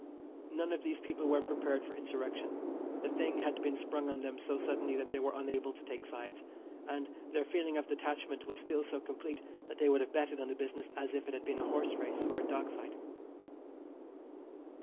None of these people were prepared for Insurrection. The thing had been sprung on them so suddenly that they were unable to take sides, and their feeling of detachment was still so complete that they would have betted on the business as if it had been a horse race or a dog fight.